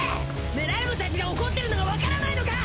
メラルバたちが怒ってるのがわからないのか！？